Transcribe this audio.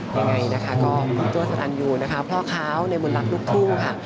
ยังไงนะคะก็คุณตัวสตันยูนะคะพ่อค้าวในบุญรักลูกทุ่งค่ะ